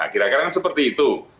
kira kira seperti itu